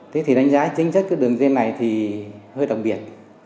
thế thì đánh giá chính chất của đường dây này thì hơi đặc biệt